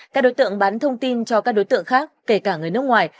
các đối tượng bán thông tin cho các đối tượng khác kể cả người nước ngoài